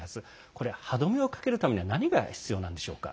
これ、歯止めをかけるためには何が必要なんでしょうか？